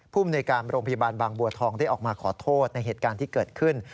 ภูมิในการโรงพยาบาลบางบัวทองได้ออกมาขอโทษในเหตุการณ์ที่เกิดขึ้น